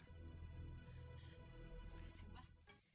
terima kasih pak